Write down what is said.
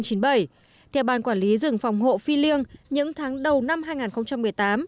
theo ban quản lý rừng phòng hộ phi liêng những tháng đầu năm hai nghìn một mươi tám